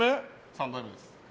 ３代目です。